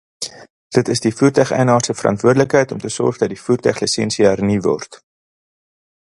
Dit is die voertuigeienaar se verantwoordelikheid om te sorg dat die voertuiglisensie hernu word.